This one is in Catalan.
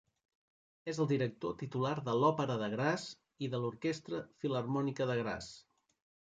És el director titular de l'Òpera de Graz i de l'Orquestra Filharmònica de Graz.